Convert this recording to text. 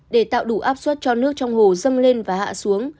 để tạo đủ áp suất cho nước trong hồ dâng lên và hạ xuống